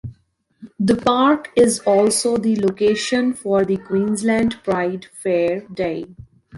The park is also the location for the Queensland Pride fair day.